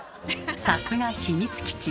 さすが秘密基地。